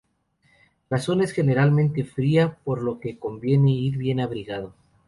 La zona es generalmente fría por lo que conviene ir bien abrigado.